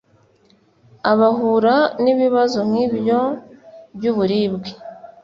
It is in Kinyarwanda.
Abahura nibibazo nkibyo byuburibwe